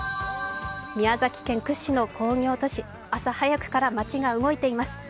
宮崎県屈指の工業都市朝早くから街が動いています。